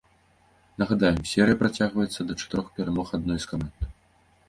Нагадаем, серыя працягваецца да чатырох перамог адной з каманд.